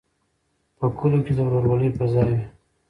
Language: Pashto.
په کلیو کې د ورورولۍ فضا وي.